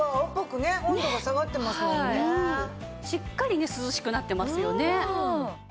しっかりね涼しくなってますよね。